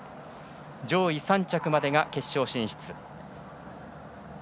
上位３着までが決勝進出。